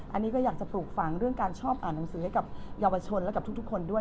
อันนี้ก็อยากจะปลูกฝังเรื่องการชอบอ่านหนังสือให้กับเยาวชนและกับทุกคนด้วย